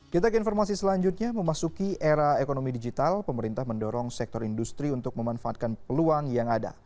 kita ke informasi selanjutnya memasuki era ekonomi digital pemerintah mendorong sektor industri untuk memanfaatkan peluang yang ada